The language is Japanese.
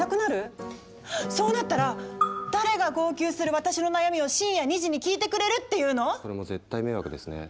そうなったら誰が号泣する私の悩みを深夜２時に聞いてくれるっていうの⁉それも絶対迷惑ですね。